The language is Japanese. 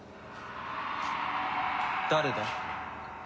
誰だ？